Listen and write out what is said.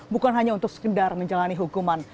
bukan hanya untuk sekedar menjalani hukuman